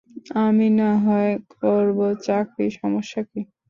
আমি নাহয় করব চাকরি, সমস্যা কী?